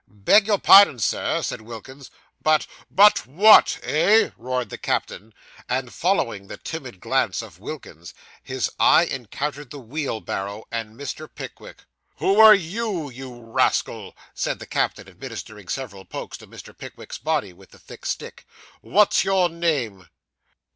'Beg your pardon, sir,' said Wilkins, 'but ' 'But what? Eh?' roared the captain; and following the timid glance of Wilkins, his eyes encountered the wheel barrow and Mr. Pickwick. 'Who are you, you rascal?' said the captain, administering several pokes to Mr. Pickwick's body with the thick stick. 'What's your name?